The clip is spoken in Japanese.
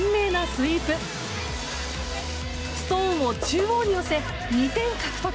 ストーンを中央に寄せ２点獲得。